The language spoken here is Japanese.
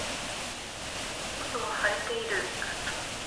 外は晴れている